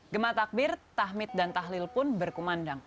gemah takbir tahmid dan tahlil pun berkumandang